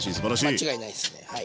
間違いないっすね。